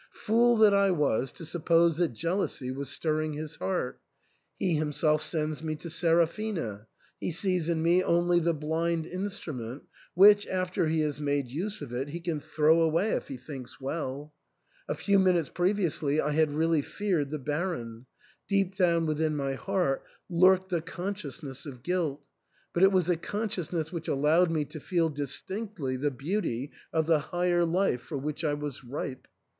Fool that I was to suppose that jealousy was stirring his heart ! He him self sends me to Seraphina ; he sees in me only the blind instrument which, after he has made use of it, he can throw away if he thinks well. A few minutes pre viously I had^ really feared the Baron ; deep down within my heart lurked the consciousness of guilt ; but it was a consciousness which allowed me to feel dis tinctly the beauty of the higher life for which I was ripe.